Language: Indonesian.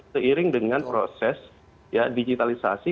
seiring dengan proses digitalisasi